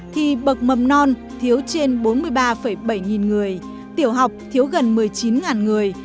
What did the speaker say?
thì bậc mầm non thiếu trên bốn mươi ba bảy nghìn người tiểu học thiếu gần một mươi chín người